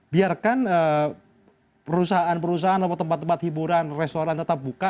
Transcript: biarkan perusahaan perusahaan atau tempat tempat hiburan restoran tetap buka